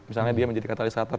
misalnya dia menjadi katalisator